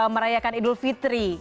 merayakan idul fitri